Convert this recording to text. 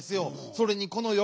それにこのよ